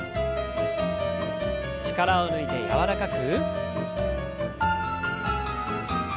力を抜いて柔らかく。